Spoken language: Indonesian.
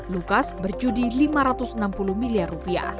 lukas berjudi rp lima ratus enam puluh miliar